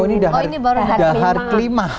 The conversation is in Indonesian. oh ini baru dahar kelimah